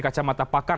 di kacamata pakar